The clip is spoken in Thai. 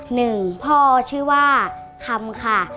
หนึ่งพ่อชื่อว่าคำค่ะ